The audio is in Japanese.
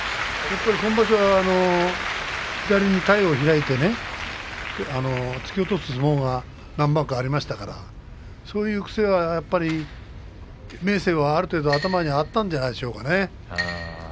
今場所左に体を開いて突き起こす相撲が何番かありましたからそういう癖がやっぱり明生はある程度頭にあったんじゃないでしょうか。